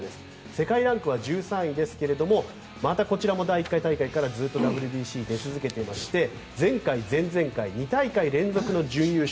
世界ランクは１３位ですがまたこちらも第１回大会からずっとＷＢＣに出続けていまして前回、前々回２大会連続の準優勝。